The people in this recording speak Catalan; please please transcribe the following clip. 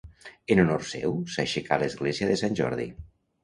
En honor seu s'aixecà l'església de Sant Jordi.